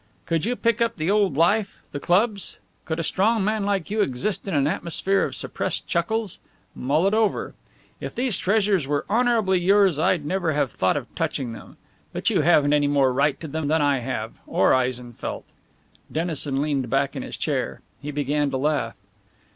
Could you pick up the old life, the clubs? Could a strong man like you exist in an atmosphere of suppressed chuckles? Mull it over. If these treasures were honourably yours I'd never have thought of touching them. But you haven't any more right to them than I have, or Eisenfeldt." Dennison leaned back in his chair. He began to laugh.